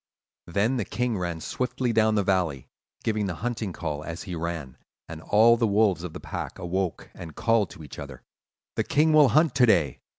"Then the king ran swiftly down the valley, giving the hunting call as he ran; and all the wolves of the pack awoke and called to each other: 'The king will hunt to day!